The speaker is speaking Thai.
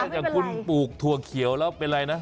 อย่างคุณปลูกถั่วเขียวแล้วเป็นอะไรนะ